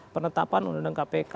penetapan undang undang kpk